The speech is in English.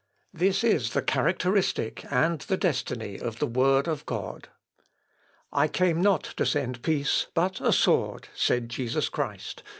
This is the characteristic and the destiny of the Word of God. 'I came not to send peace, but a sword,' said Jesus Christ.